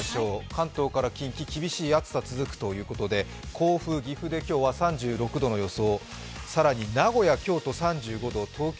関東から近畿、厳しい暑さ続くということで、甲府、岐阜で今日は３６度の予想。